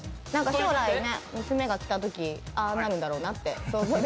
将来、娘が来たときああなるんだろうなって。